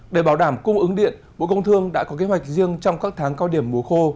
để bảo đảm cung ứng điện bộ công thương đã có kế hoạch riêng trong các tháng cao điểm mùa khô